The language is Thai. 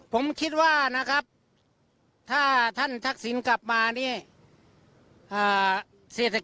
คุณสุลินบอกว่ามีความผูกพันกับคุณนักศิลป์ทำให้ดีใจมาก